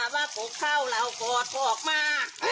ว่ากลุ่มเข้าแล้วกอดกอกมา